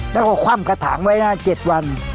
แล้วก็คว่ำกระถางไว้นะ๗วัน